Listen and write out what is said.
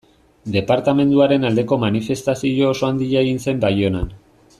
Departamenduaren aldeko manifestazio oso handia egin zen Baionan.